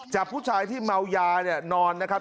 จับผู้ชายที่เมายาเนี่ยนอนนะครับ